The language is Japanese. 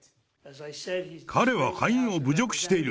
彼は下院を侮辱している。